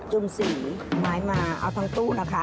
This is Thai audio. ุ่มสีไม้มาเอาทั้งตู้นะคะ